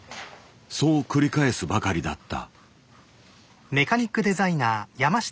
そう繰り返すばかりだった。